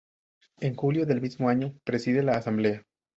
En julio del mismo año preside la Asamblea.